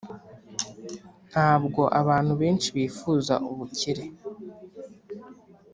ntabwo abantu benshi bifuza ubukire